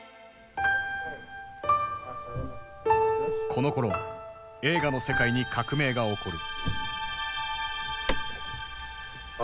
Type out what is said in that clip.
このころ映画の世界に革命が起こる。